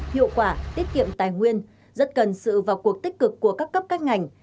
hiệu quả tiết kiệm tài nguyên rất cần sự vào cuộc tích cực của các cấp các ngành